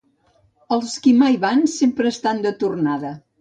Els que mai van, sempre estan de tornada.